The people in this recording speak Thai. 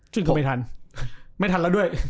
ซึ่งเขาไม่ทันไม่ทันแล้วด้วย